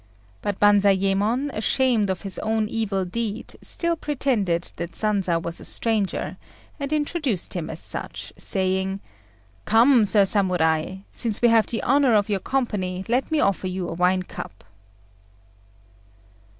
But Banzayémon, ashamed of his own evil deed, still pretended that Sanza was a stranger, and introduced him as such, saying "Come Sir Samurai, since we have the honour of your company, let me offer you a wine cup."